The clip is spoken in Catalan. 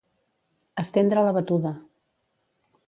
Estendre la batuda.